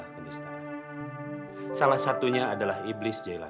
saya menemukan hal mudah saja